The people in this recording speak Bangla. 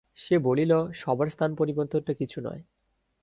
সে বলিল, সভার স্থান-পরিবর্তনটা কিছু নয়।